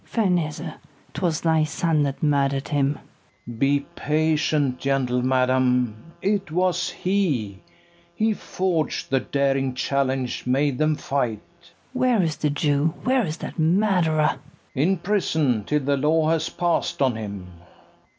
Ferneze, 'twas thy son that murder'd him. FERNEZE. Be patient, gentle madam: it was he; He forg'd the daring challenge made them fight. KATHARINE. Where is the Jew? where is that murderer? FERNEZE. In prison, till the law has pass'd on him.